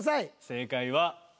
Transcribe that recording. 正解は。